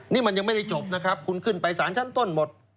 นี่มันยังไม่ได้จบนะครับคุณขึ้นไปสารชั้นต้นหมด